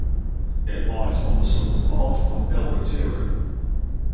It lies on the southern part of El Retiro.